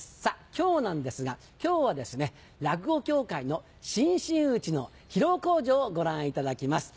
今日なんですが落語協会の新真打の披露口上をご覧いただきます。